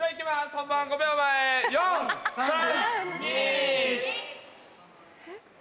本番５秒前４・３・２。